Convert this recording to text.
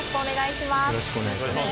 よろしくお願いします。